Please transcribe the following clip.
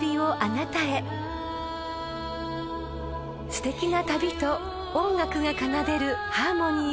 ［すてきな旅と音楽が奏でるハーモニー］